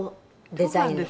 デザインの。